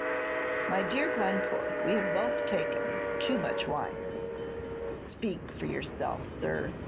"My dear Glencore, we have both taken too much wine." "Speak for yourself, sir.